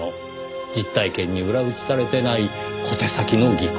「実体験に裏打ちされていない小手先の技巧」。